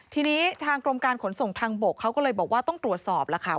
ทีนี้ทางกรมการขนส่งทางบกเขาก็เลยบอกว่าต้องตรวจสอบแล้วค่ะ